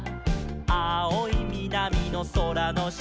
「あおいみなみのそらのした」